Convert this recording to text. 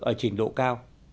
ở trình độ cao